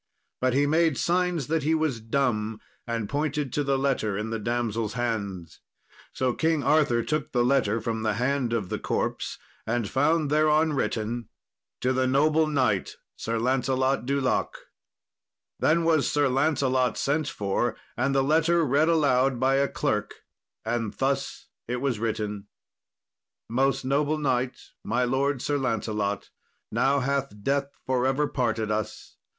But he made signs that he was dumb, and pointed to the letter in the damsel's hands. So King Arthur took the letter from the hand of the corpse, and found thereon written, "To the noble knight, Sir Lancelot du Lake." Then was Sir Lancelot sent for, and the letter read aloud by a clerk, and thus it was written: [Illustration: Then was Sir Lancelot sent for, and the letter read aloud by a clerk.] "Most noble knight, my lord Sir Lancelot, now hath death for ever parted us.